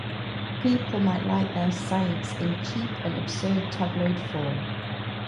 People might like their science in cheap and absurd tabloid form.